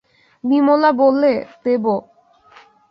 বিমলা বললে, দেব।